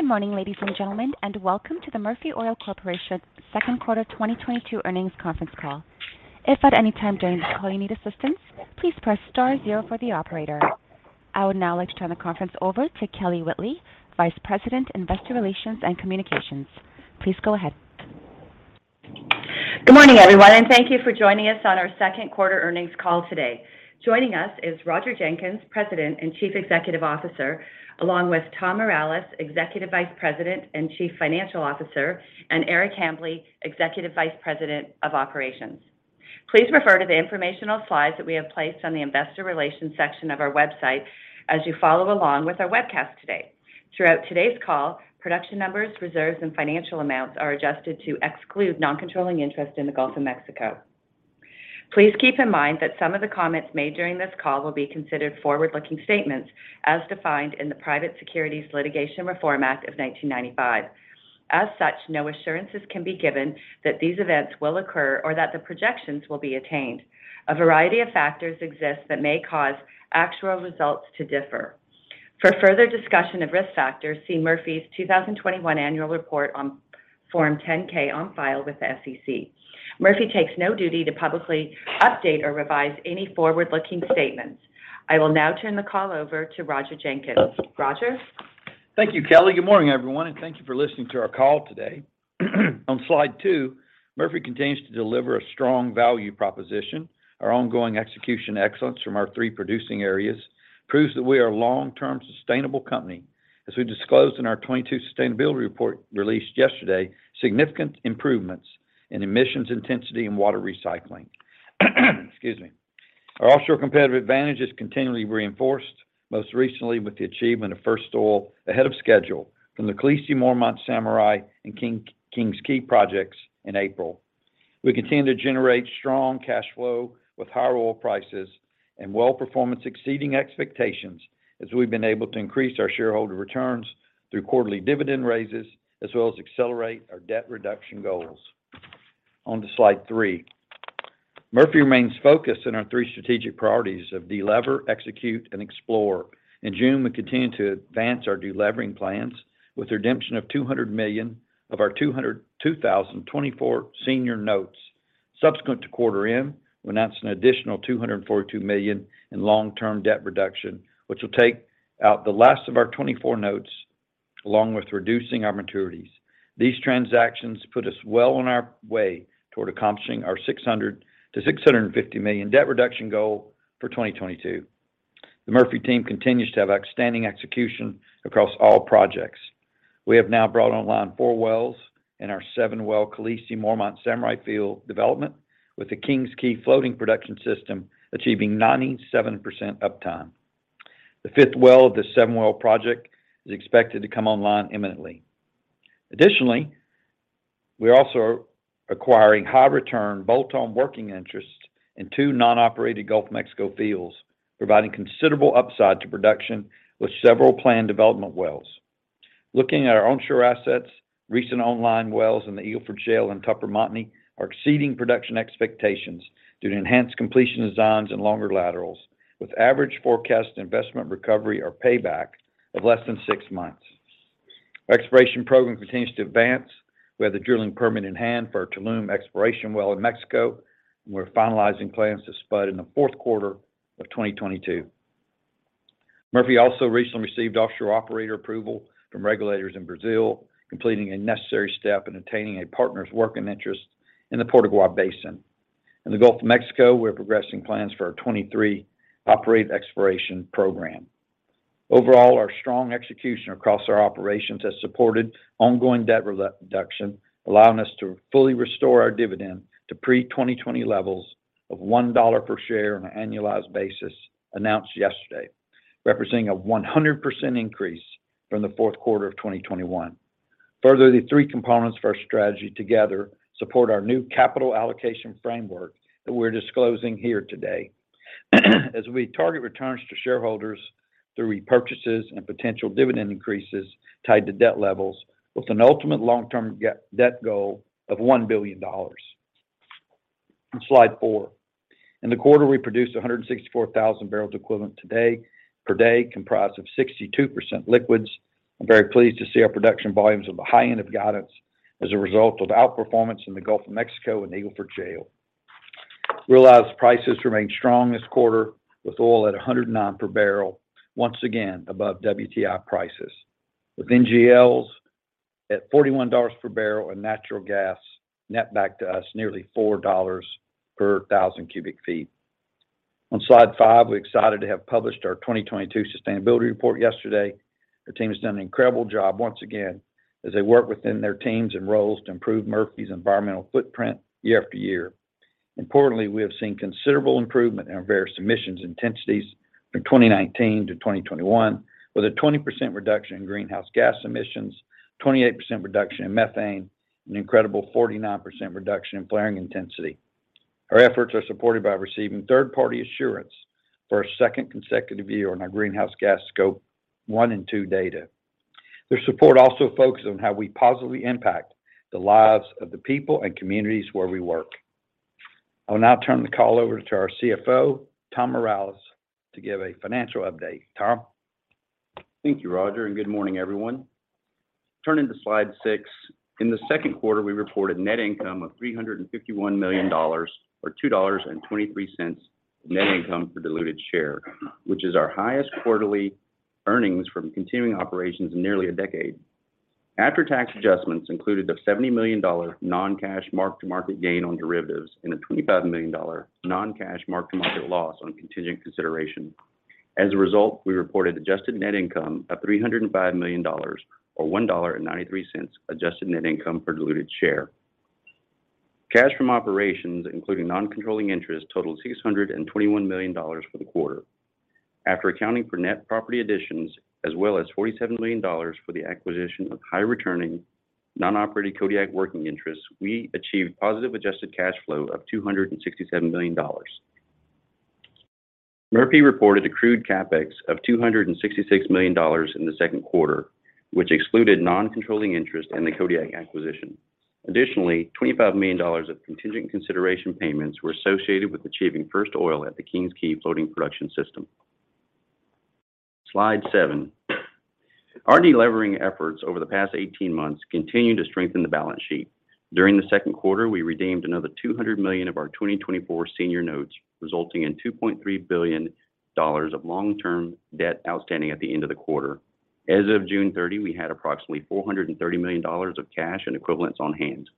Good morning, ladies and gentlemen, and welcome to the Murphy Oil Corporation second quarter 2022 earnings conference call. If at any time during the call you need assistance, please press star zero for the operator. I would now like to turn the conference over to Kelly Whitley, Vice President, Investor Relations and Communications. Please go ahead. Good morning, everyone, and thank you for joining us on our second quarter earnings call today. Joining us is Roger Jenkins, President and Chief Executive Officer, along with Tom Mireles, Executive Vice President and Chief Financial Officer, and Eric Hambly, Executive Vice President of Operations. Please refer to the informational slides that we have placed on the investor relations section of our website as you follow along with our webcast today. Throughout today's call, production numbers, reserves, and financial amounts are adjusted to exclude non-controlling interest in the Gulf of Mexico. Please keep in mind that some of the comments made during this call will be considered forward-looking statements as defined in the Private Securities Litigation Reform Act of 1995. As such, no assurances can be given that these events will occur or that the projections will be attained. A variety of factors exist that may cause actual results to differ. For further discussion of risk factors, see Murphy's 2021 annual report on Form 10-K on file with the SEC. Murphy takes no duty to publicly update or revise any forward-looking statements. I will now turn the call over to Roger Jenkins. Roger? Thank you, Kelly. Good morning, everyone, and thank you for listening to our call today. On slide two, Murphy continues to deliver a strong value proposition. Our ongoing execution excellence from our three producing areas proves that we are a long-term sustainable company. As we disclosed in our 2022 sustainability report released yesterday, significant improvements in emissions intensity and water recycling. Excuse me. Our offshore competitive advantage is continually reinforced, most recently with the achievement of first oil ahead of schedule from the Khaleesi, Mormont, Samurai, and King's Quay projects in April. We continue to generate strong cash flow with higher oil prices and well performance exceeding expectations as we've been able to increase our shareholder returns through quarterly dividend raises as well as accelerate our debt reduction goals. On to slide three. Murphy remains focused in our three strategic priorities of de-lever, execute, and explore. In June, we continued to advance our delevering plans with the redemption of $200 million of our 2024 senior notes. Subsequent to quarter end, we announced an additional $242 million in long-term debt reduction, which will take out the last of our 2024 notes along with reducing our maturities. These transactions put us well on our way toward accomplishing our $600 million-$650 million debt reduction goal for 2022. The Murphy team continues to have outstanding execution across all projects. We have now brought online four wells in our seven-well Khaleesi, Mormont, Samurai field development with the King's Quay floating production system achieving 97% uptime. The fifth well of this seven-well project is expected to come online imminently. Additionally, we are also acquiring high return bolt-on working interest in two non-operated Gulf of Mexico fields, providing considerable upside to production with several planned development wells. Looking at our onshore assets, recent online wells in the Eagle Ford Shale and Tupper Montney are exceeding production expectations due to enhanced completion designs and longer laterals with average forecast investment recovery or payback of less than six months. Our exploration program continues to advance. We have the drilling permit in hand for our Tulum exploration well in Mexico, and we're finalizing plans to spud in the fourth quarter of 2022. Murphy also recently received offshore operator approval from regulators in Brazil, completing a necessary step in attaining a partner's working interest in the Potiguar Basin. In the Gulf of Mexico, we're progressing plans for our 2023 operated exploration program. Overall, our strong execution across our operations has supported ongoing debt reduction, allowing us to fully restore our dividend to pre-2020 levels of $1 per share on an annualized basis announced yesterday, representing a 100% increase from the fourth quarter of 2021. Further, the three components of our strategy together support our new capital allocation framework that we're disclosing here today. As we target returns to shareholders through repurchases and potential dividend increases tied to debt levels with an ultimate long-term debt goal of $1 billion. On slide four. In the quarter, we produced 164,000 barrels equivalent per day, comprised of 62% liquids. I'm very pleased to see our production volumes at the high end of guidance as a result of outperformance in the Gulf of Mexico and Eagle Ford Shale. Realized prices remained strong this quarter with oil at $109 per barrel, once again above WTI prices. With NGLs at $41 per barrel and natural gas net back to us nearly $4 per thousand cubic feet. On slide 5, we're excited to have published our 2022 sustainability report yesterday. The team has done an incredible job once again as they work within their teams and roles to improve Murphy's environmental footprint year after year. Importantly, we have seen considerable improvement in our various emissions intensities from 2019 to 2021, with a 20% reduction in greenhouse gas emissions, 28% reduction in methane, an incredible 49% reduction in flaring intensity. Our efforts are supported by receiving third-party assurance for a second consecutive year on our greenhouse gas Scope 1 and 2 data. Their support also focuses on how we positively impact the lives of the people and communities where we work. I'll now turn the call over to our CFO, Tom Mireles, to give a financial update. Tom? Thank you, Roger, and good morning, everyone. Turning to slide six. In the second quarter, we reported net income of $351 million, or $2.23 net income per diluted share, which is our highest quarterly earnings from continuing operations in nearly a decade. After-tax adjustments included the $70 million non-cash mark-to-market gain on derivatives and a $25 million non-cash mark-to-market loss on contingent consideration. As a result, we reported adjusted net income of $305 million, or $1.93 adjusted net income per diluted share. Cash from operations, including non-controlling interest, totaled $621 million for the quarter. After accounting for net property additions, as well as $47 million for the acquisition of high-returning non-operating Kodiak working interests, we achieved positive adjusted cash flow of $267 million. Murphy reported accrued CapEx of $266 million in the second quarter, which excluded non-controlling interest in the Kodiak acquisition. Additionally, $25 million of contingent consideration payments were associated with achieving first oil at the King's Quay floating production system. Slide seven. Our delevering efforts over the past 18 months continue to strengthen the balance sheet. During the second quarter, we redeemed another $200 million of our 2024 senior notes, resulting in $2.3 billion of long-term debt outstanding at the end of the quarter. As of June 30, we had approximately $430 million of cash and equivalents on hand.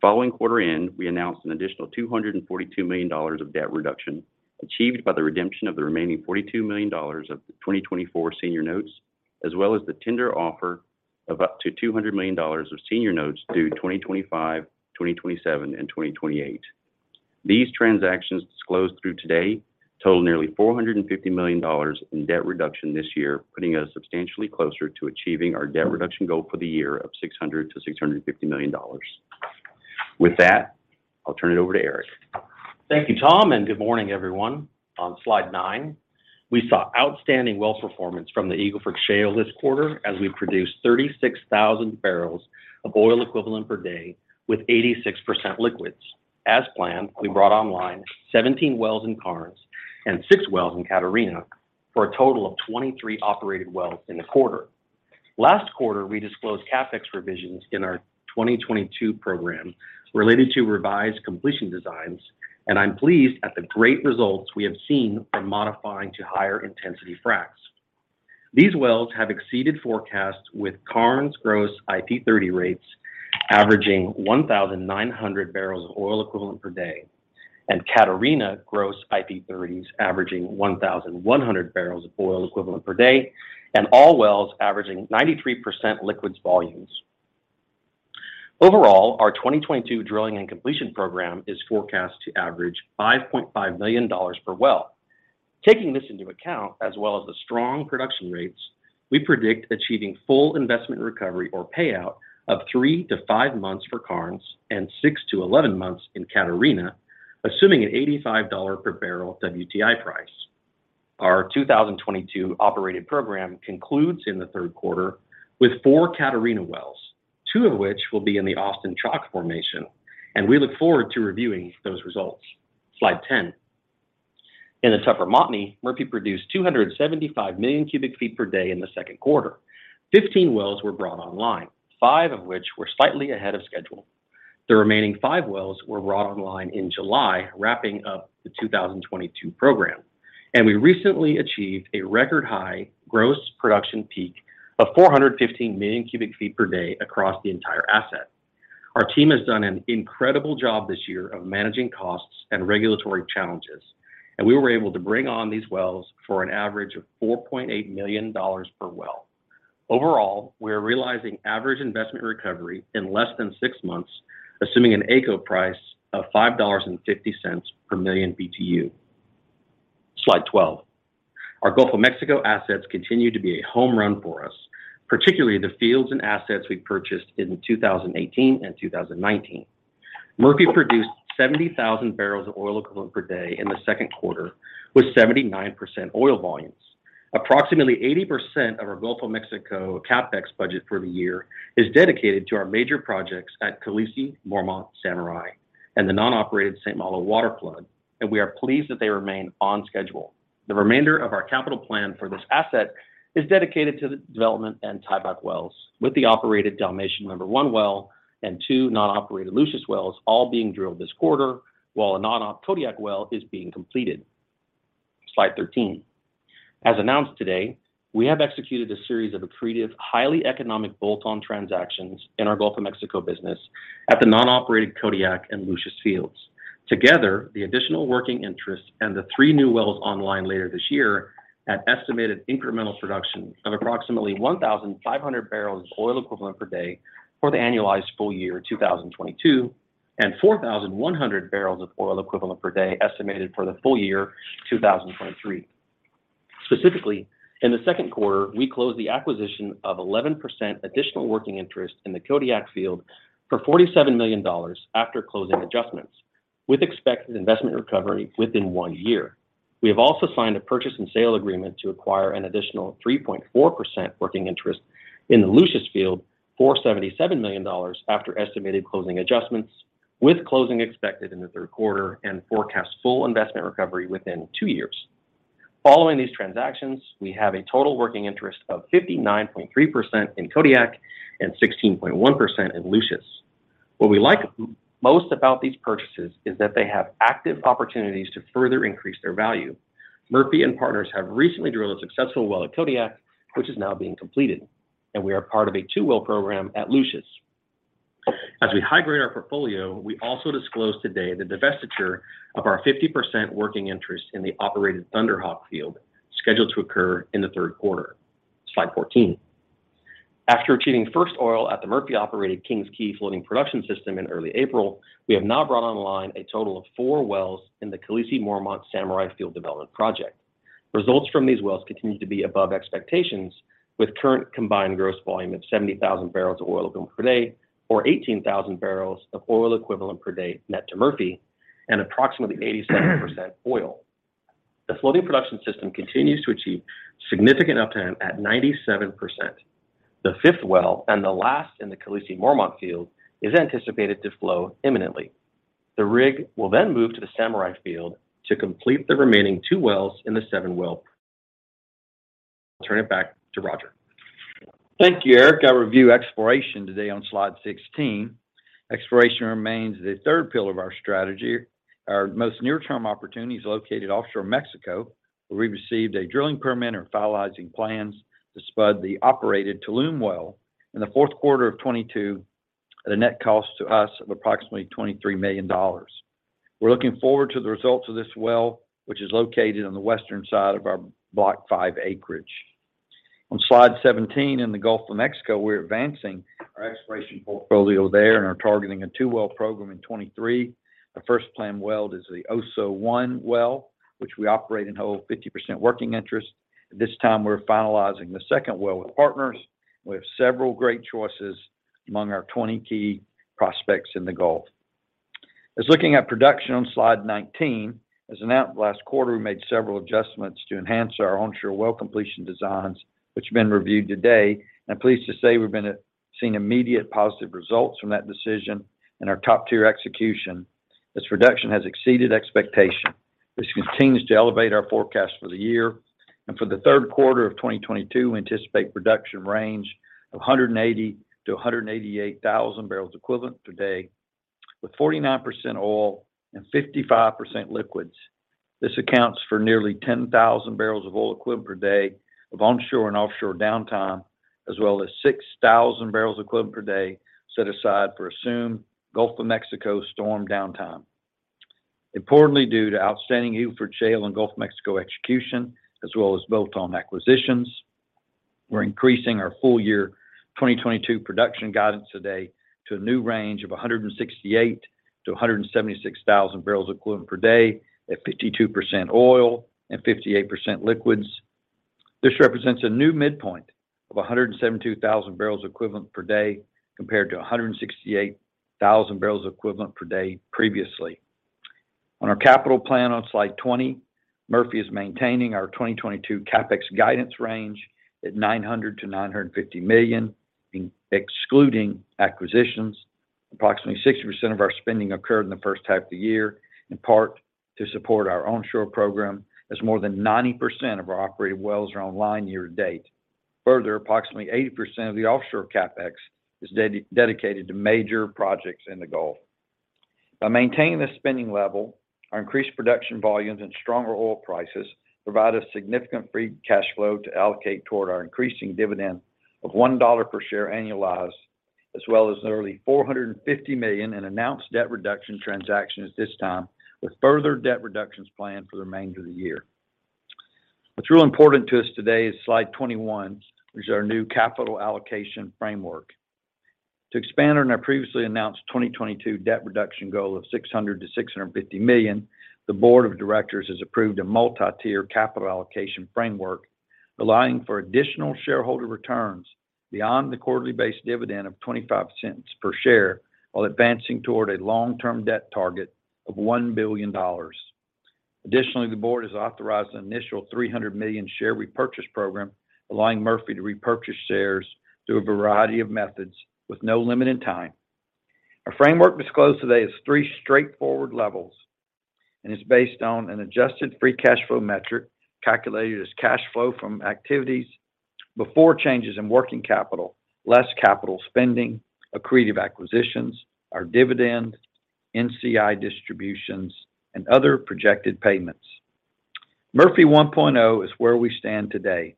Following quarter end, we announced an additional $242 million of debt reduction, achieved by the redemption of the remaining $42 million of the 2024 senior notes, as well as the tender offer of up to $200 million of senior notes due 2025, 2027, and 2028. These transactions disclosed through today total nearly $450 million in debt reduction this year, putting us substantially closer to achieving our debt reduction goal for the year of $600 million-$650 million. With that, I'll turn it over to Eric. Thank you, Tom, and good morning, everyone. On slide nine, we saw outstanding well performance from the Eagle Ford Shale this quarter as we produced 36,000 barrels of oil equivalent per day with 86% liquids. As planned, we brought online 17 wells in Karnes and six wells in Catarina for a total of 23 operated wells in the quarter. Last quarter, we disclosed CapEx revisions in our 2022 program related to revised completion designs, and I'm pleased at the great results we have seen from modifying to higher intensity fracs. These wells have exceeded forecasts with Karnes gross IP30 rates averaging 1,900 barrels of oil equivalent per day and Catarina gross IP30s averaging 1,100 barrels of oil equivalent per day, and all wells averaging 93% liquids volumes. Overall, our 2022 drilling and completion program is forecast to average $5.5 million per well. Taking this into account, as well as the strong production rates, we predict achieving full investment recovery or payout of thre to five months for Karnes and 6-11 months in Catarina, assuming a $85 per barrel WTI price. Our 2022 operated program concludes in the third quarter with four Catarina wells, two of which will be in the Austin Chalk formation, and we look forward to reviewing those results. Slide 10. In the Tupper Montney, Murphy produced 275 million cubic feet per day in the second quarter. 15 wells were brought online, five of which were slightly ahead of schedule. The remaining five wells were brought online in July, wrapping up the 2022 program. We recently achieved a record high gross production peak of 415 million cubic feet per day across the entire asset. Our team has done an incredible job this year of managing costs and regulatory challenges, and we were able to bring on these wells for an average of $4.8 million per well. Overall, we are realizing average investment recovery in less than six months, assuming an AECO price of 5.50 dollars per million BTU. Slide 12. Our Gulf of Mexico assets continue to be a home run for us, particularly the fields and assets we purchased in 2018 and 2019. Murphy produced 70,000 barrels of oil equivalent per day in the second quarter, with 79% oil volumes. Approximately 80% of our Gulf of Mexico CapEx budget for the year is dedicated to our major projects at Khaleesi, Mormont, Samurai, and the non-operated St. Malo water flood, and we are pleased that they remain on schedule. The remainder of our capital plan for this asset is dedicated to the development and tieback wells, with the operated Dalmatian number 1 well and 2 non-operated Lucius wells all being drilled this quarter, while a non-op Kodiak well is being completed. Slide 13. As announced today, we have executed a series of accretive, highly economic bolt-on transactions in our Gulf of Mexico business at the non-operated Kodiak and Lucius fields. Together, the additional working interests and the three new wells online later this year at estimated incremental production of approximately 1,500 barrels of oil equivalent per day for the annualized full year 2022, and 4,100 barrels of oil equivalent per day estimated for the full year 2023. Specifically, in the second quarter, we closed the acquisition of 11% additional working interest in the Kodiak field for $47 million after closing adjustments, with expected investment recovery within one year. We have also signed a purchase and sale agreement to acquire an additional 3.4% working interest in the Lucius field for $77 million after estimated closing adjustments, with closing expected in the third quarter and forecast full investment recovery within two years. Following these transactions, we have a total working interest of 59.3% in Kodiak and 16.1% in Lucius. What we like most about these purchases is that they have active opportunities to further increase their value. Murphy and partners have recently drilled a successful well at Kodiak, which is now being completed, and we are part of a two-well program at Lucius. As we high-grade our portfolio, we also disclose today the divestiture of our 50% working interest in the operated Thunder Hawk field, scheduled to occur in the third quarter. Slide 14. After achieving first oil at the Murphy-operated King's Quay floating production system in early April, we have now brought online a total of four wells in the Khaleesi/Mormont/Samurai field development project. Results from these wells continue to be above expectations, with current combined gross volume of 70,000 barrels of oil equivalent per day, or 18,000 barrels of oil equivalent per day net to Murphy, and approximately 87% oil. The floating production system continues to achieve significant uptime at 97%. The 5th well, and the last in the Khaleesi/Mormont field, is anticipated to flow imminently. The rig will then move to the Samurai field to complete the remaining two wells in the seven-well. Turn it back to Roger. Thank you, Eric. I'll review exploration today on slide 16. Exploration remains the third pillar of our strategy. Our most near-term opportunity is located offshore Mexico, where we received a drilling permit and are finalizing plans to spud the operated Tulum well in the fourth quarter of 2022 at a net cost to us of approximately $23 million. We're looking forward to the results of this well, which is located on the western side of our Block 5 acreage. On slide 17, in the Gulf of Mexico, we're advancing our exploration portfolio there and are targeting a two-well program in 2023. The first planned well is the Oso #1 well, which we operate and hold 50% working interest. At this time, we're finalizing the second well with partners. We have several great choices among our 20 key prospects in the Gulf. Looking at production on slide 19, as announced last quarter, we made several adjustments to enhance our onshore well completion designs, which have been reviewed today. I'm pleased to say we've been seeing immediate positive results from that decision and our top-tier execution. This production has exceeded expectation. This continues to elevate our forecast for the year. For the third quarter of 2022, we anticipate production range of 180,000-188,000 barrels of oil equivalent per day, with 49% oil and 55% liquids. This accounts for nearly 10,000 barrels of oil equivalent per day of onshore and offshore downtime, as well as 6,000 barrels of oil equivalent per day set aside for assumed Gulf of Mexico storm downtime. Importantly, due to outstanding Eagle Ford Shale and Gulf of Mexico execution, as well as bolt-on acquisitions, we're increasing our full year 2022 production guidance today to a new range of 168,000-176,000 barrels equivalent per day at 52% oil and 58% liquids. This represents a new midpoint of 172,000 barrels equivalent per day compared to 168,000 barrels equivalent per day previously. On our capital plan on slide 20, Murphy is maintaining our 2022 CapEx guidance range at $900 million-$950 million, excluding acquisitions. Approximately 60% of our spending occurred in the first half of the year, in part to support our onshore program, as more than 90% of our operated wells are online year to date. Further, approximately 80% of the offshore CapEx is dedicated to major projects in the Gulf. By maintaining this spending level, our increased production volumes and stronger oil prices provide us significant free cash flow to allocate toward our increasing dividend of $1 per share annualized, as well as nearly $450 million in announced debt reduction transactions at this time, with further debt reductions planned for the remainder of the year. What's real important to us today is slide 21, which is our new capital allocation framework. To expand on our previously announced 2022 debt reduction goal of $600 million-$650 million, the board of directors has approved a multi-tier capital allocation framework allowing for additional shareholder returns beyond the quarterly-based dividend of 25 cents per share, while advancing toward a long-term debt target of $1 billion. Additionally, the board has authorized an initial $300 million share repurchase program, allowing Murphy to repurchase shares through a variety of methods with no limit in time. Our framework disclosed today is three straightforward levels, and it's based on an adjusted free cash flow metric calculated as cash flow from activities before changes in working capital, less capital spending, accretive acquisitions, our dividend, NCI distributions, and other projected payments. Murphy 1.0 is where we stand today.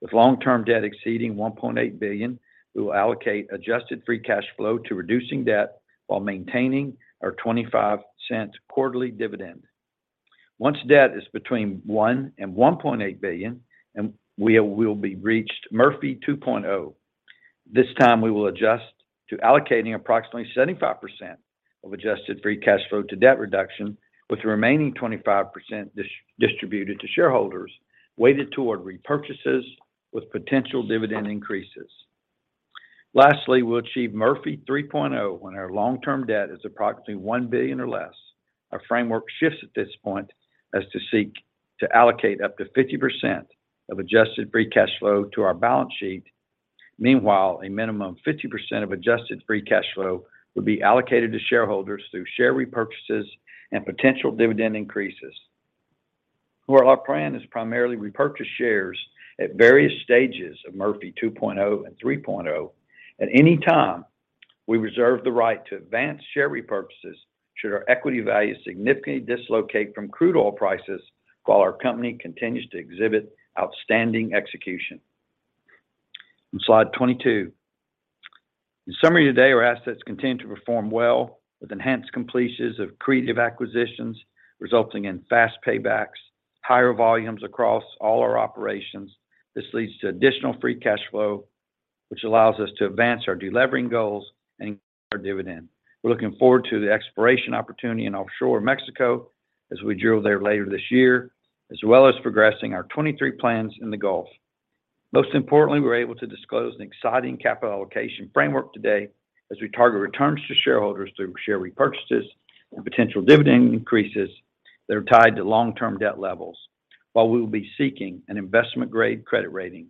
With long-term debt exceeding $1.8 billion, we will allocate adjusted free cash flow to reducing debt while maintaining our $0.25 quarterly dividend. Once debt is between $1 billion and $1.8 billion, and we will reach Murphy 2.0. This time we will adjust to allocating approximately 75% of adjusted free cash flow to debt reduction, with the remaining 25% distributed to shareholders, weighted toward repurchases with potential dividend increases. Lastly, we'll achieve Murphy 3.0 when our long-term debt is approximately $1 billion or less. Our framework shifts at this point and to seek to allocate up to 50% of adjusted free cash flow to our balance sheet. Meanwhile, a minimum 50% of adjusted free cash flow will be allocated to shareholders through share repurchases and potential dividend increases. Our plan is primarily to repurchase shares at various stages of Murphy 2.0 and 3.0. At any time, we reserve the right to advance share repurchases should our equity value significantly dislocate from crude oil prices while our company continues to exhibit outstanding execution. On slide 22. In summary today, our assets continue to perform well with enhanced completions of accretive acquisitions, resulting in fast paybacks, higher volumes across all our operations. This leads to additional free cash flow, which allows us to advance our delevering goals and our dividend. We're looking forward to the exploration opportunity in offshore Mexico as we drill there later this year, as well as progressing our 2023 plans in the Gulf. Most importantly, we're able to disclose an exciting capital allocation framework today as we target returns to shareholders through share repurchases and potential dividend increases that are tied to long-term debt levels while we will be seeking an investment-grade credit rating.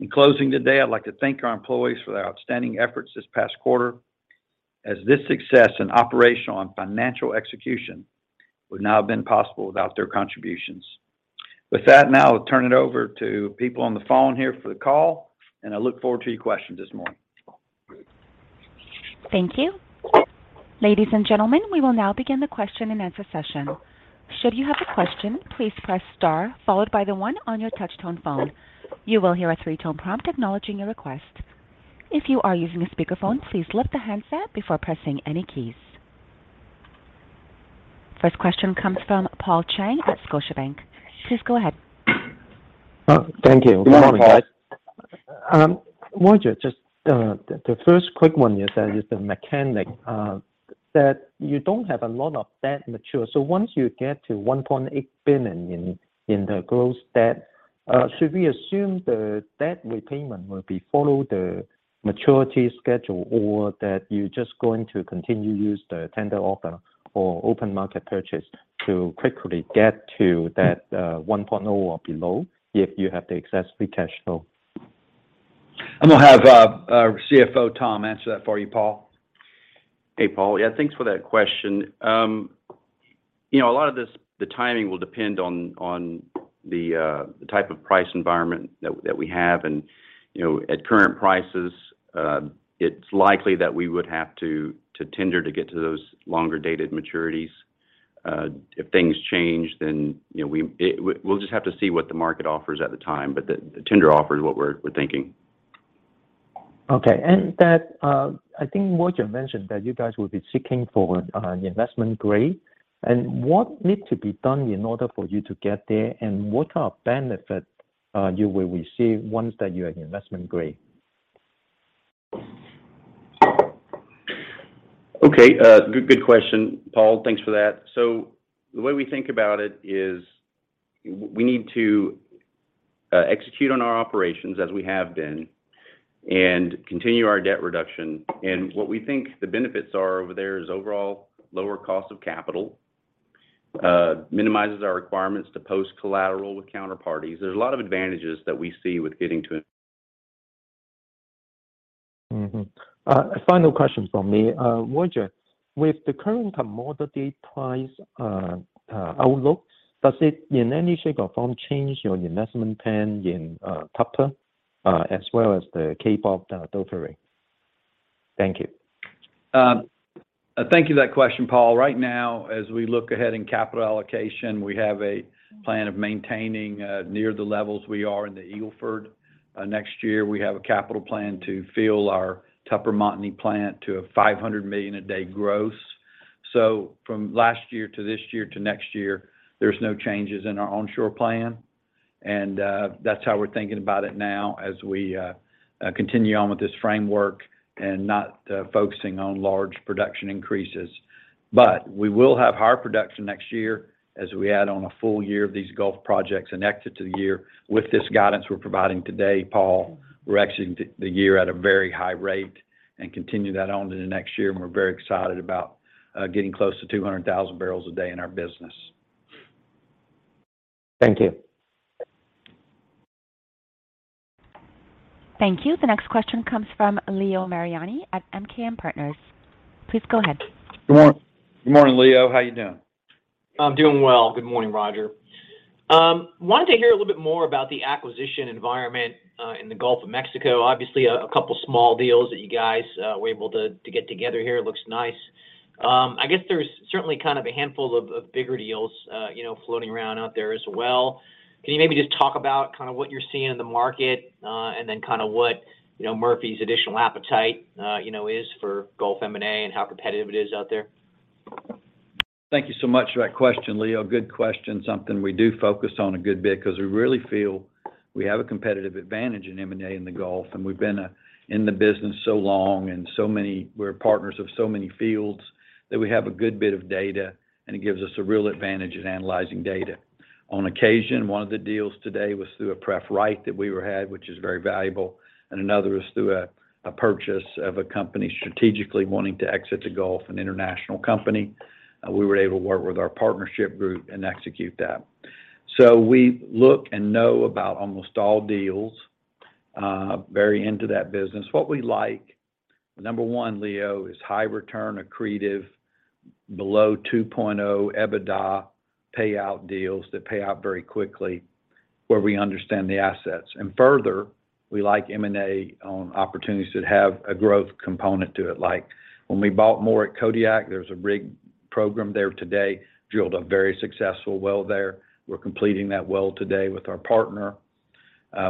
In closing today, I'd like to thank our employees for their outstanding efforts this past quarter, as this success and operational and financial execution would not have been possible without their contributions. With that, now I'll turn it over to people on the phone here for the call, and I look forward to your questions this morning. Thank you. Ladies and gentlemen, we will now begin the question-and-answer session. Should you have a question, please press star followed by the one on your touch-tone phone. You will hear a three-tone prompt acknowledging your request. If you are using a speakerphone, please lift the handset before pressing any keys. First question comes from Paul Cheng at Scotiabank. Please go ahead. Thank you. Good morning. Good morning, Paul. Roger, just the first quick one you said is the mechanic that you don't have a lot of debt maturing. Once you get to $1.8 billion in the gross debt, should we assume the debt repayment will follow the maturity schedule or that you're just going to continue to use the tender offer or open market purchase to quickly get to that 1.0 or below if you have the excess free cash flow? I'm gonna have our CFO, Tom, answer that for you, Paul. Hey, Paul. Yeah, thanks for that question. You know, a lot of this, the timing will depend on the type of price environment that we have. You know, at current prices, it's likely that we would have to tender to get to those longer-dated maturities. If things change, you know, we'll just have to see what the market offers at the time. The tender offer is what we're thinking. Okay. That, I think Roger mentioned that you guys will be seeking for investment grade. What needs to be done in order for you to get there? What are benefits you will receive once that you're at investment grade? Okay. Good question, Paul. Thanks for that. The way we think about it is we need to execute on our operations as we have been and continue our debt reduction. What we think the benefits are over there is overall lower cost of capital, minimizes our requirements to post collateral with counterparties. There's a lot of advantages that we see with getting to it. Final question from me. Roger, with the current commodity price outlook, does it in any shape or form change your investment plan in Tupper as well as the CapEx of the Duvernay? Thank you. Thank you for that question, Paul. Right now, as we look ahead in capital allocation, we have a plan of maintaining near the levels we are in the Eagle Ford. Next year, we have a capital plan to fill our Tupper Montney plant to a 500 million a day gross. From last year to this year to next year, there's no changes in our onshore plan. That's how we're thinking about it now as we continue on with this framework and not focusing on large production increases. We will have higher production next year as we add on a full year of these Gulf projects and exit the year. With this guidance we're providing today, Paul, we're exiting the year at a very high rate and continue that on to the next year, and we're very excited about getting close to 200,000 barrels a day in our business. Thank you. Thank you. The next question comes from Leo Mariani at MKM Partners. Please go ahead. Good morning, Leo. How you doing? I'm doing well. Good morning, Roger. Wanted to hear a little bit more about the acquisition environment in the Gulf of Mexico. Obviously, a couple small deals that you guys were able to get together here. It looks nice. I guess there's certainly kind of a handful of bigger deals, you know, floating around out there as well. Can you maybe just talk about kind of what you're seeing in the market, and then kind of what, you know, Murphy's additional appetite, you know, is for Gulf M&A and how competitive it is out there? Thank you so much for that question, Leo. Good question. Something we do focus on a good bit because we really feel we have a competitive advantage in M&A in the Gulf, and we've been in the business so long we're partners of so many fields that we have a good bit of data, and it gives us a real advantage in analyzing data. On occasion, one of the deals today was through a pref right that we had, which is very valuable, and another is through a purchase of a company strategically wanting to exit the Gulf, an international company. We were able to work with our partnership group and execute that. We look and know about almost all deals, very into that business. What we like, number one, Leo, is high return, accretive below 2.0 EBITDA payout deals that pay out very quickly where we understand the assets. Further, we like M&A on opportunities that have a growth component to it. Like when we bought more at Kodiak, there's a rig program there today, drilled a very successful well there. We're completing that well today with our partner.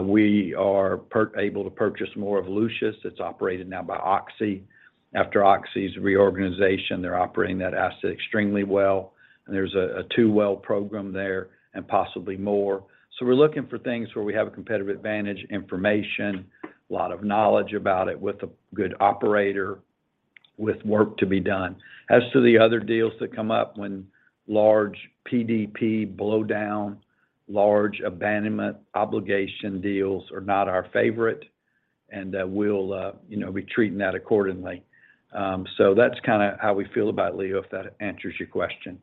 We are able to purchase more of Lucius. It's operated now by Oxy. After Oxy's reorganization, they're operating that asset extremely well, and there's a two-well program there and possibly more. We're looking for things where we have a competitive advantage, information, a lot of knowledge about it with a good operator, with work to be done. As to the other deals that come up, when large PDP blowdown, large abandonment obligation deals are not our favorite, and we'll, you know, be treating that accordingly. So that's kinda how we feel about Leo, if that answers your question.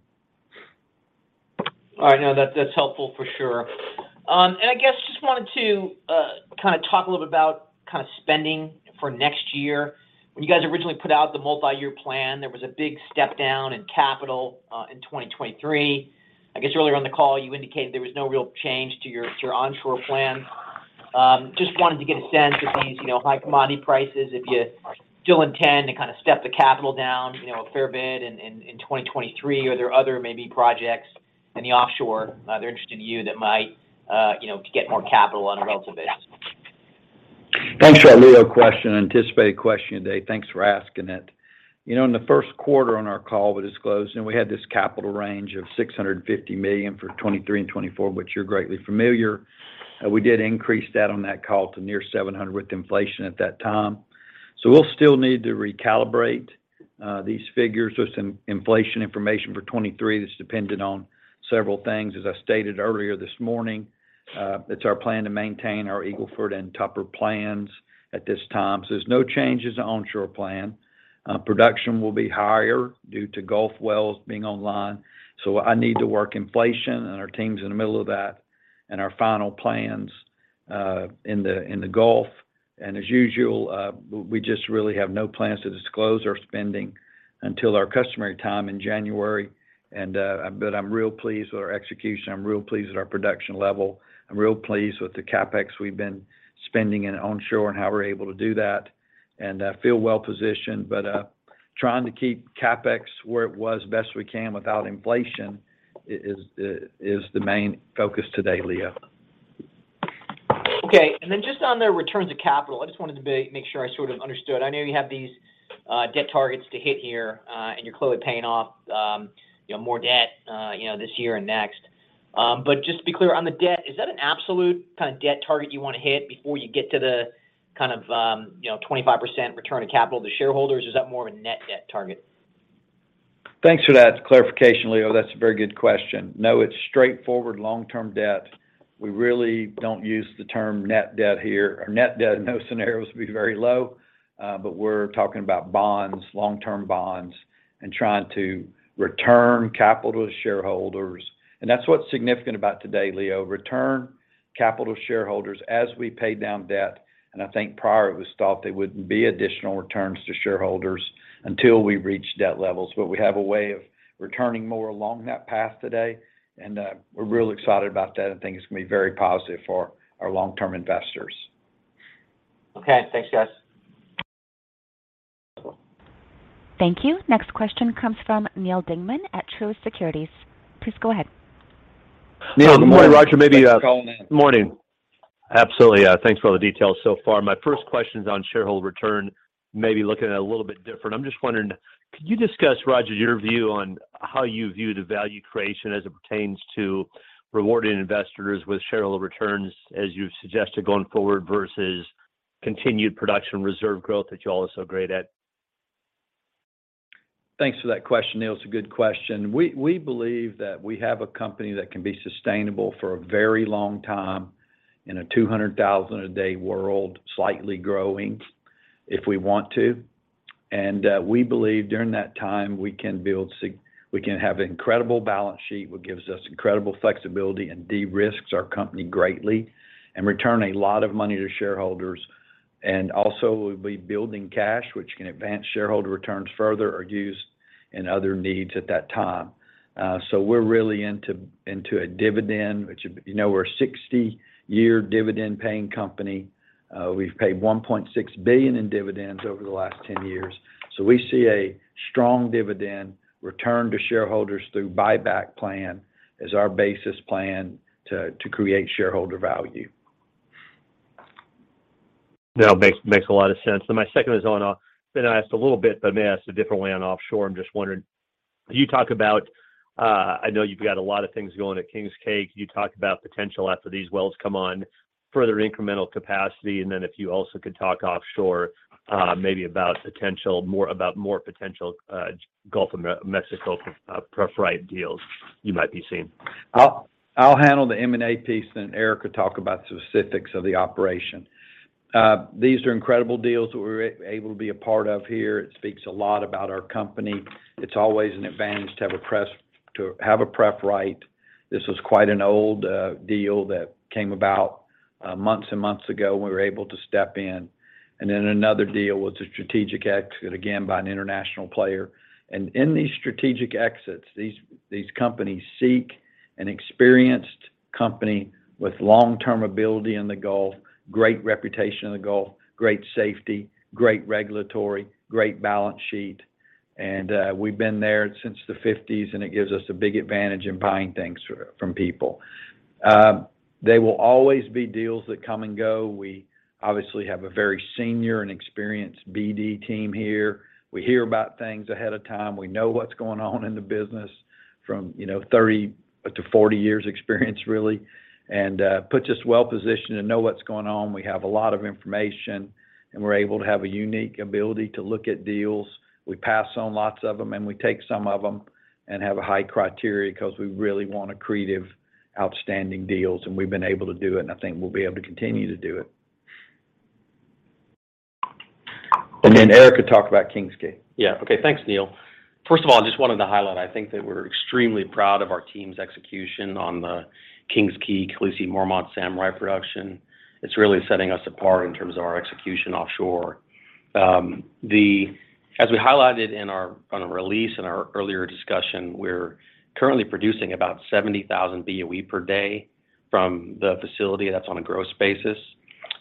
All right. No, that's helpful for sure. I guess just wanted to kind of talk a little bit about kind of spending for next year. When you guys originally put out the multi-year plan, there was a big step down in capital in 2023. I guess earlier on the call you indicated there was no real change to your onshore plan. Just wanted to get a sense with these, you know, high commodity prices, if you still intend to kind of step the capital down, you know, a fair bit in 2023, or are there other maybe projects in the offshore that are interesting to you that might, you know, get more capital on a relative basis? Thanks for that Leo question, anticipated question today. Thanks for asking it. You know, in the first quarter on our call, we disclosed, you know, we had this capital range of $650 million for 2023 and 2024, which you're greatly familiar. We did increase that on that call to near $700 million with inflation at that time. We'll still need to recalibrate these figures with some inflation information for 2023 that's dependent on several things. As I stated earlier this morning, it's our plan to maintain our Eagle Ford and Tupper plans at this time. There's no changes to onshore plan. Production will be higher due to Gulf wells being online. I need to work inflation, and our team's in the middle of that, and our final plans in the Gulf. As usual, we just really have no plans to disclose our spending until our customary time in January. I'm real pleased with our execution. I'm real pleased with our production level. I'm real pleased with the CapEx we've been spending in onshore and how we're able to do that. Feel well positioned, but trying to keep CapEx as best we can without inflation is the main focus today, Leo. Okay. Just on the returns of capital, I just wanted to make sure I sort of understood. I know you have these debt targets to hit here, and you're clearly paying off more debt, you know, this year and next. Just to be clear on the debt, is that an absolute kind of debt target you want to hit before you get to the kind of, you know, 25% return of capital to shareholders, or is that more of a net debt target? Thanks for that clarification, Leo. That's a very good question. No, it's straightforward long-term debt. We really don't use the term net debt here. Our net debt in those scenarios would be very low, but we're talking about bonds, long-term bonds, and trying to return capital to shareholders. That's what's significant about today, Leo, return capital to shareholders as we pay down debt. I think prior it was thought there wouldn't be additional returns to shareholders until we reach debt levels, but we have a way of returning more along that path today, and we're real excited about that and think it's gonna be very positive for our long-term investors. Okay. Thanks, guys. Thank you. Next question comes from Neal Dingmann at Truist Securities. Please go ahead. Neal, good morning. Thanks for calling in. Morning. Absolutely. Thanks for all the details so far. My first question's on shareholder return, maybe looking at it a little bit different. I'm just wondering, could you discuss, Roger, your view on how you view the value creation as it pertains to rewarding investors with shareholder returns, as you've suggested going forward, versus continued production reserve growth that y'all are so great at? Thanks for that question, Neal. It's a good question. We believe that we have a company that can be sustainable for a very long time in a 200,000 a day world, slightly growing if we want to. We believe during that time, we can have incredible balance sheet, which gives us incredible flexibility and de-risks our company greatly and return a lot of money to shareholders. We'll be building cash, which can advance shareholder returns further or used in other needs at that time. We're really into a dividend, which, you know, we're a 60-year dividend paying company. We've paid $1.6 billion in dividends over the last 10 years. We see a strong dividend return to shareholders through buyback plan as our basis plan to create shareholder value. No, makes a lot of sense. My second is on, been asked a little bit, but I may ask a different way on offshore. I'm just wondering, you talk about, I know you've got a lot of things going at King's Quay. You talk about potential after these wells come on, further incremental capacity, and then if you also could talk offshore, maybe about more potential, Gulf of Mexico, pref right deals you might be seeing. I'll handle the M&A piece, then Eric could talk about specifics of the operation. These are incredible deals that we were able to be a part of here. It speaks a lot about our company. It's always an advantage to have a prep right. This was quite an old deal that came about months and months ago, and we were able to step in. Then another deal was a strategic exit, again, by an international player. In these strategic exits, these companies seek an experienced company with long-term ability in the Gulf, great reputation in the Gulf, great safety, great regulatory, great balance sheet. We've been there since the '50s, and it gives us a big advantage in buying things from people. There will always be deals that come and go. We obviously have a very senior and experienced BD team here. We hear about things ahead of time. We know what's going on in the business from, you know, 30-40 years experience, really, and puts us well-positioned to know what's going on. We have a lot of information, and we're able to have a unique ability to look at deals. We pass on lots of them, and we take some of them and have a high criteria 'cause we really want accretive, outstanding deals, and we've been able to do it, and I think we'll be able to continue to do it. Eric could talk about King's Quay. Yeah. Okay. Thanks, Neil. First of all, I just wanted to highlight, I think that we're extremely proud of our team's execution on the King's Quay, Khaleesi, Mormont, Samurai production. It's really setting us apart in terms of our execution offshore. As we highlighted in our, on our release in our earlier discussion, we're currently producing about 70,000 BOE per day from the facility. That's on a gross basis.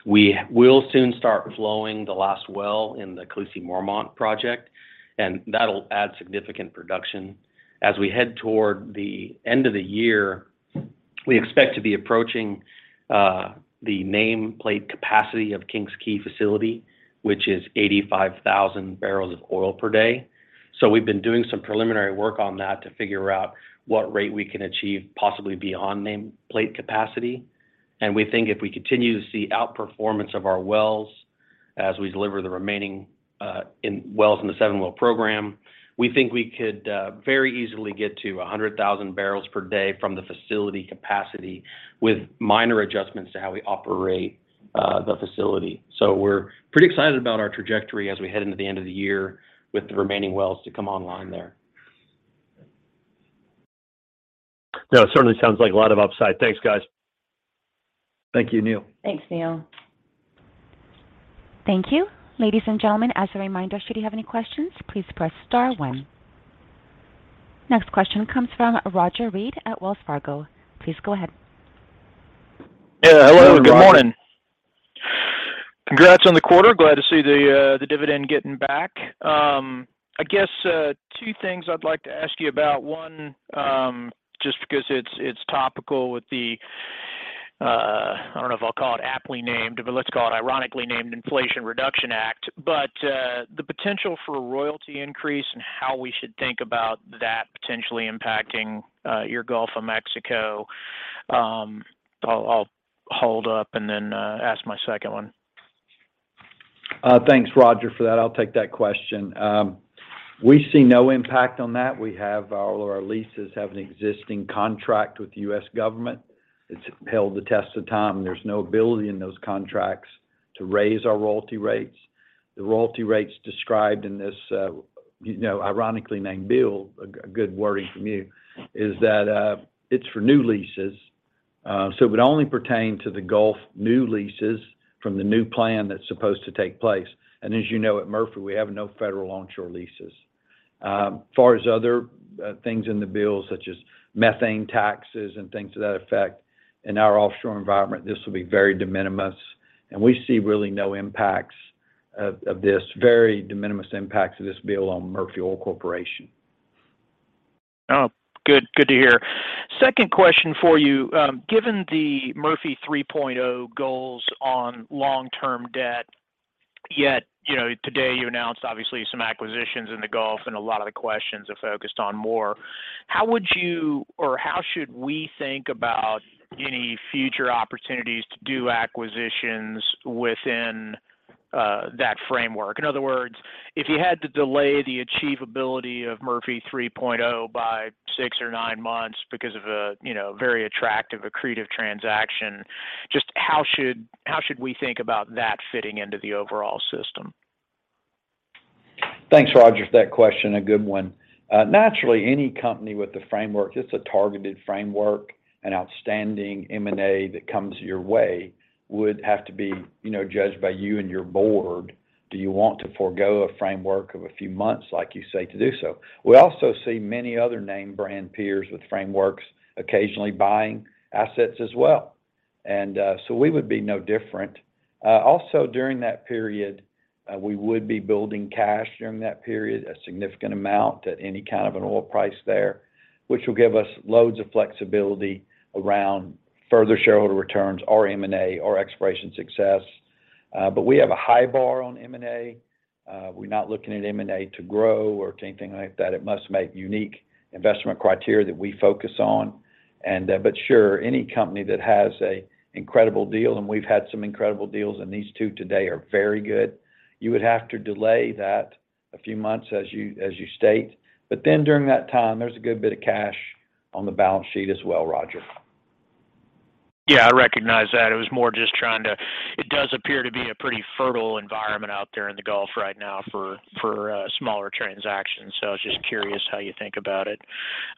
We will soon start flowing the last well in the Khaleesi Mormont project, and that'll add significant production. As we head toward the end of the year, we expect to be approaching the nameplate capacity of King's Quay facility, which is 85,000 barrels of oil per day. So we've been doing some preliminary work on that to figure out what rate we can achieve possibly beyond nameplate capacity. We think if we continue to see outperformance of our wells as we deliver the remaining wells in the seven-well program, we think we could very easily get to 100,000 barrels per day from the facility capacity with minor adjustments to how we operate the facility. We're pretty excited about our trajectory as we head into the end of the year with the remaining wells to come online there. No, it certainly sounds like a lot of upside. Thanks, guys. Thank you, Neal. Thanks, Neal. Thank you. Ladies and gentlemen, as a reminder, should you have any questions, please press star one. Next question comes from Roger Read at Wells Fargo. Please go ahead. Yeah. Hello. Good morning. Hello, Roger. Congrats on the quarter. Glad to see the dividend getting back. I guess two things I'd like to ask you about. One, just because it's topical with the, I don't know if I'll call it aptly named, but let's call it ironically named Inflation Reduction Act. The potential for a royalty increase and how we should think about that potentially impacting your Gulf of Mexico. I'll hold up and then ask my second one. Thanks, Roger, for that. I'll take that question. We see no impact on that. All of our leases have an existing contract with the U.S. government. It's held the test of time. There's no ability in those contracts to raise our royalty rates. The royalty rates described in this, you know, ironically named bill, a good wording from you, is that it's for new leases. It would only pertain to the Gulf new leases from the new plan that's supposed to take place. As you know, at Murphy, we have no federal onshore leases. As far as other things in the bill, such as methane taxes and things to that effect, in our offshore environment, this will be very de minimis, and we see really no impacts of this, very de minimis impacts of this bill on Murphy Oil Corporation. Oh, good. Good to hear. Second question for you. Given the Murphy 3.0 goals on long-term debt, yet, you know, today you announced obviously some acquisitions in the Gulf, and a lot of the questions are focused on more. How would you or how should we think about any future opportunities to do acquisitions within that framework? In other words, if you had to delay the achievability of Murphy 3.0 by six or nine months because of a, you know, very attractive, accretive transaction, just how should we think about that fitting into the overall system? Thanks, Roger, for that question. A good one. Naturally, any company with the framework, it's a targeted framework. An outstanding M&A that comes your way would have to be, you know, judged by you and your board. Do you want to forego a framework of a few months, like you say, to do so? We also see many other name brand peers with frameworks occasionally buying assets as well. We would be no different. Also during that period, we would be building cash, a significant amount at any kind of an oil price there, which will give us loads of flexibility around further shareholder returns or M&A or exploration success. We have a high bar on M&A. We're not looking at M&A to grow or anything like that. It must make unique investment criteria that we focus on. Sure, any company that has an incredible deal, and we've had some incredible deals, and these two today are very good. You would have to delay that a few months as you state. But then during that time, there's a good bit of cash on the balance sheet as well, Roger. Yeah, I recognize that. It does appear to be a pretty fertile environment out there in the Gulf right now for smaller transactions, so I was just curious how you think about it.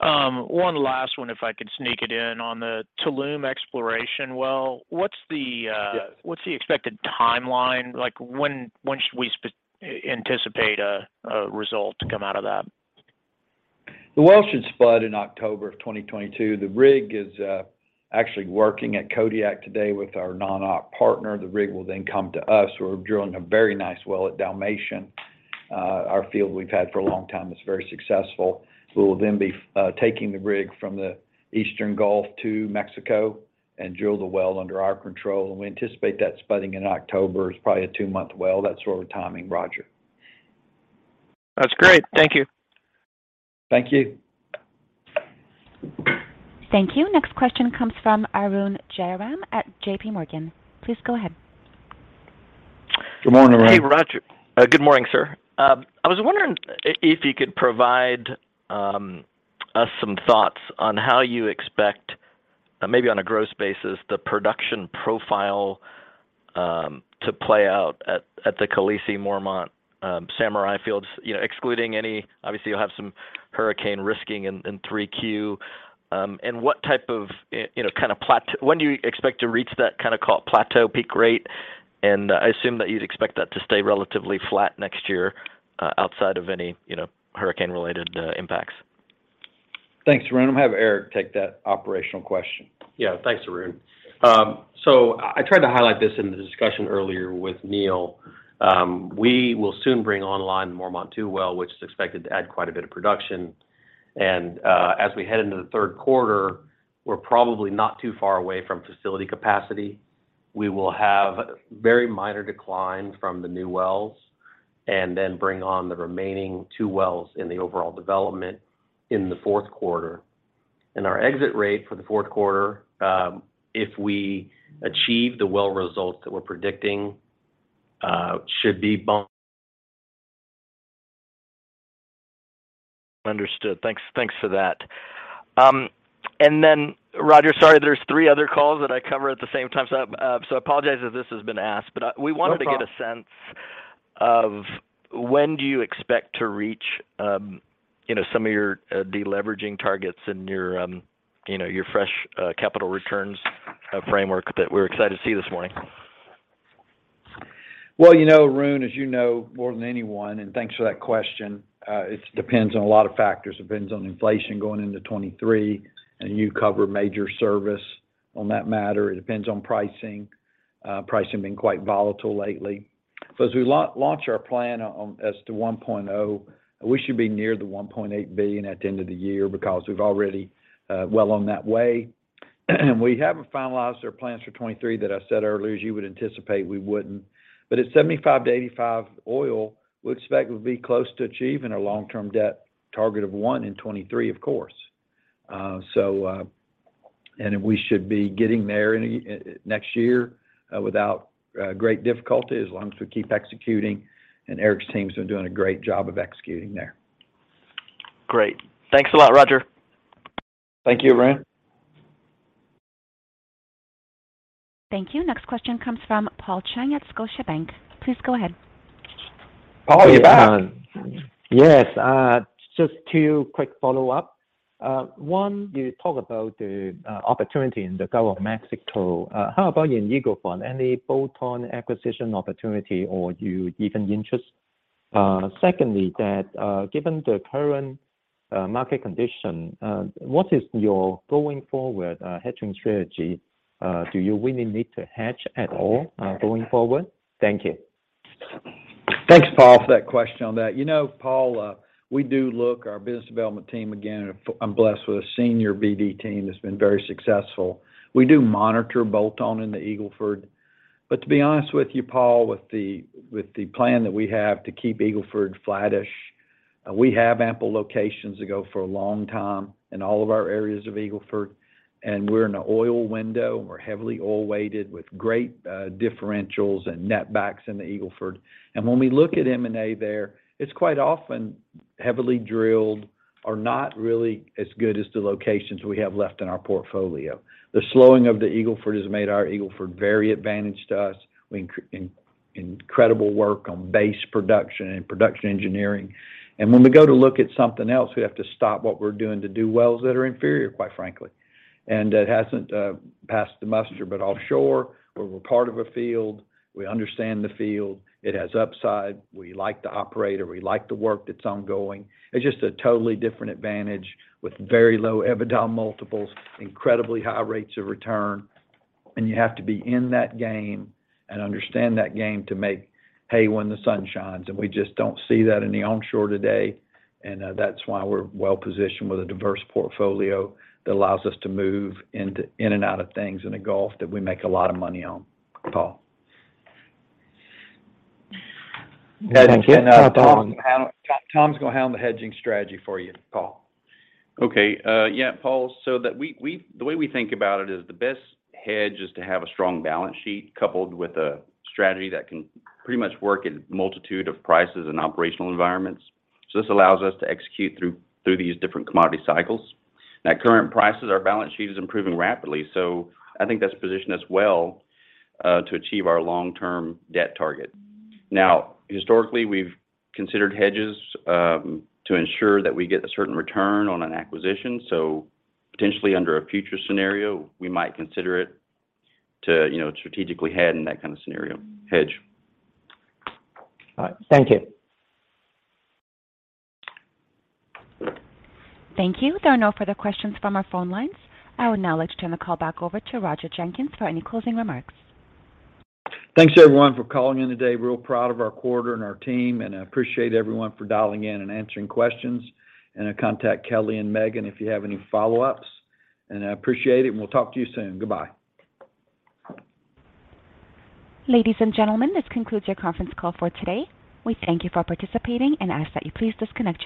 One last one if I could sneak it in. On the Tulum exploration well, what's the- Yes. What's the expected timeline? Like, when should we anticipate a result to come out of that? The well should spud in October of 2022. The rig is actually working at Kodiak today with our non-op partner. The rig will then come to us. We're drilling a very nice well at Dalmatian, our field we've had for a long time that's very successful. We will then be taking the rig from the eastern Gulf of Mexico and drill the well under our control, and we anticipate that spudding in October. It's probably a two-month well. That's our timing, Roger. That's great. Thank you. Thank you. Thank you. Next question comes from Arun Jayaram at JPMorgan. Please go ahead. Good morning, Arun. Hey, Roger. Good morning, sir. I was wondering if you could provide us some thoughts on how you expect maybe on a gross basis the production profile to play out at the Khaleesi, Mormont, Samurai fields? You know, excluding any. Obviously, you'll have some hurricane risk in 3Q. When do you expect to reach that kind of called plateau peak rate? I assume that you'd expect that to stay relatively flat next year outside of any, you know, hurricane-related impacts. Thanks, Arun. I'll have Eric take that operational question. Yeah. Thanks, Arun. So I tried to highlight this in the discussion earlier with Neal. We will soon bring online the Mormont 2 well, which is expected to add quite a bit of production. As we head into the third quarter, we're probably not too far away from facility capacity. We will have very minor decline from the new wells and then bring on the remaining two wells in the overall development in the fourth quarter. Our exit rate for the fourth quarter, if we achieve the well results that we're predicting, should be BOE. Understood. Thanks for that. Roger, sorry, there's three other calls that I cover at the same time, so I apologize if this has been asked. We wanted to get a sense of when do you expect to reach, you know, some of your deleveraging targets and your, you know, your fresh capital returns framework that we're excited to see this morning? Well, you know, Arun, as you know more than anyone, and thanks for that question, it depends on a lot of factors. It depends on inflation going into 2023, and you cover major service on that matter. It depends on pricing. Pricing been quite volatile lately. As we launch our plan on 1.0, we should be near the $1.8 billion at the end of the year because we're already well on that way. We haven't finalized our plans for 2023 that I said earlier, as you would anticipate we wouldn't. At $75-$85 oil, we expect we'll be close to achieving our long-term debt target of $1 billion in 2023, of course. We should be getting there in next year without great difficulty as long as we keep executing. Eric's teams are doing a great job of executing there. Great. Thanks a lot, Roger. Thank you, Arun. Thank you. Next question comes from Paul Cheng at Scotiabank. Please go ahead. Paul, you're back. Yes. Just two quick follow-up. One, you talk about the opportunity in the Gulf of Mexico. How about in Eagle Ford? Any bolt-on acquisition opportunity or you even interest? Secondly, that given the current market condition, what is your going forward hedging strategy? Do you really need to hedge at all going forward? Thank you. Thanks, Paul, for that question on that. You know, Paul, we do look, our business development team, again, I'm blessed with a senior BD team that's been very successful. We do monitor bolt-on in the Eagle Ford. But to be honest with you, Paul, with the plan that we have to keep Eagle Ford flattish, we have ample locations to go for a long time in all of our areas of Eagle Ford, and we're in an oil window. We're heavily oil-weighted with great differentials and net backs in the Eagle Ford. When we look at M&A there, it's quite often heavily drilled or not really as good as the locations we have left in our portfolio. The slowing of the Eagle Ford has made our Eagle Ford very advantaged to us. We incredible work on base production and production engineering. When we go to look at something else, we have to stop what we're doing to do wells that are inferior, quite frankly. That hasn't passed the muster. Offshore, where we're part of a field, we understand the field, it has upside, we like the operator, we like the work that's ongoing, it's just a totally different advantage with very low EBITDA multiples, incredibly high rates of return. You have to be in that game and understand that game to make hay when the sun shines, and we just don't see that in the onshore today. That's why we're well-positioned with a diverse portfolio that allows us to move in and out of things in the Gulf that we make a lot of money on, Paul. Thank you. Tom's gonna handle the hedging strategy for you, Paul. Okay. Yeah, Paul. The way we think about it is the best hedge is to have a strong balance sheet coupled with a strategy that can pretty much work in a multitude of prices and operational environments. This allows us to execute through these different commodity cycles. At current prices, our balance sheet is improving rapidly, so I think that's positioned us well to achieve our long-term debt target. Now, historically, we've considered hedges to ensure that we get a certain return on an acquisition. Potentially under a future scenario, we might consider it to, you know, strategically hedge in that kind of scenario. All right. Thank you. Thank you. There are no further questions from our phone lines. I would now like to turn the call back over to Roger Jenkins for any closing remarks. Thanks, everyone, for calling in today. Real proud of our quarter and our team, and I appreciate everyone for dialing in and answering questions. Contact Kelly and Megan if you have any follow-ups. I appreciate it, and we'll talk to you soon. Goodbye. Ladies and gentlemen, this concludes your conference call for today. We thank you for participating and ask that you please disconnect your-